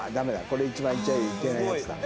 これ一番言っちゃいけないやつだ。